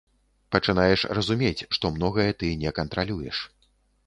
Пачынаеш разумець, што многае ты не кантралюеш.